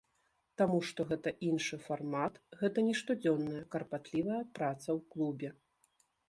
Таму што гэта іншы фармат, гэта не штодзённая карпатлівая праца ў клубе.